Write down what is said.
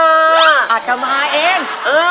อาจจะมาเอง